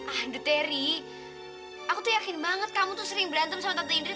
ah dutery aku tuh yakin banget kamu tuh sering berantem sama tante indri